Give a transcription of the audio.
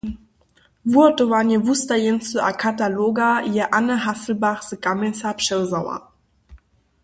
Wuhotowanje wustajeńcy a kataloga je Anne Hasselbach z Kamjenca přewzała.